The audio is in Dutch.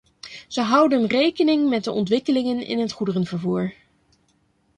Ze houden rekening met de ontwikkelingen in het goederenvervoer.